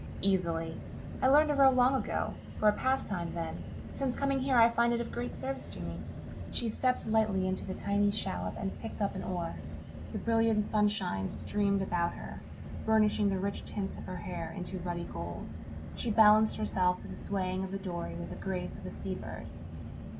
"Easily. I learned to row long ago for a pastime then. Since coming here I find it of great service to me." She stepped lightly into the tiny shallop and picked up an oar. The brilliant sunshine streamed about her, burnishing the rich tints of her hair into ruddy gold. She balanced herself to the swaying of the dory with the grace of a sea bird.